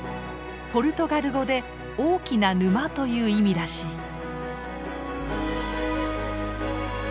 ポルトガル語で「大きな沼」という意味らしい。